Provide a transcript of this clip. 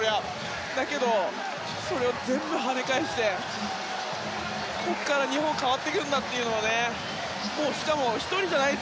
だけどそれを全部はね返してここから日本が変わっていくんだともう、しかも１人じゃなくて。